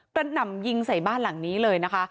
หน่ำยิงใส่บ้านหลังนี้เลยนะคะ